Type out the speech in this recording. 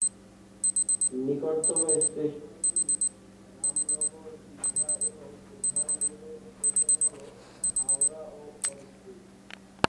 নিকটতম স্টেশনগুলি রামনগর, দীঘা এবং প্রধান রেলওয়ে স্টেশন হল হাওড়া এবং খড়গপুর।